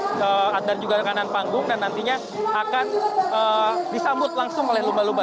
nanti atas juga kanan panggung dan nantinya akan disambut langsung oleh lumba lumba